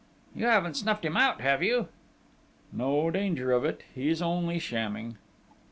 "You haven't snuffed him out, have you?" "No danger of it! He's only shamming!"